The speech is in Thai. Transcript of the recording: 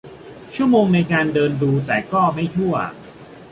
ชั่วโมงในการเดินดูแต่ก็ไม่ทั่ว